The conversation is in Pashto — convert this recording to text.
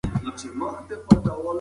څه وخت واکسین کمپاین پیل کېږي؟